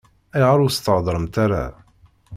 Ayɣer ur s-thedremt ara?